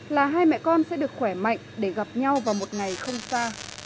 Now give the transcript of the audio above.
là hai mẹ con sẽ được khỏe mạnh để gặp nhau vào một ngày không xa